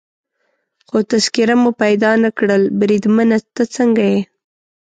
خو تذکیره مو پیدا نه کړل، بریدمنه ته څنګه یې؟